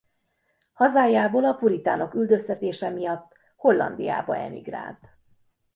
Hazájából a puritánok üldöztetése miatt Hollandiába emigrált.